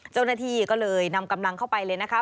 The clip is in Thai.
เจ้าหน้าที่ก็เลยนำกำลังเข้าไปเลยนะคะ